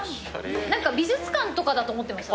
美術館とかだと思ってました。